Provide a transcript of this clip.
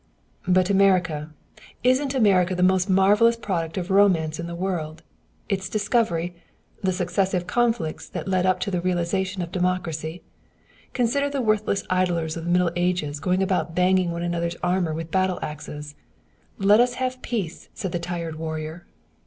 "But America isn't America the most marvelous product of romance in the world, its discovery, the successive conflicts that led up to the realization of democracy? Consider the worthless idlers of the Middle Ages going about banging one another's armor with battle axes. Let us have peace, said the tired warrior."